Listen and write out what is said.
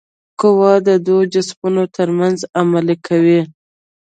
قوه د دوو جسمونو ترمنځ عمل کوي.